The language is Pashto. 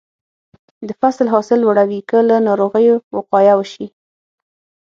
د فصل حاصل لوړوي که له ناروغیو وقایه وشي.